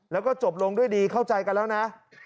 แล้วก็จบลงด้วยดีเข้าใจกันแล้วนะ